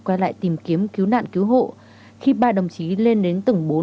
quay lại tìm kiếm cứu nạn cứu hộ khi ba đồng chí lên đến tầng bốn